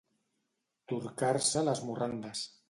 Torcar-se les morrandes.